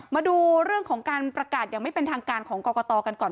มาดูเรื่องของการประกาศอย่างไม่เป็นทางการของกรกตกันก่อน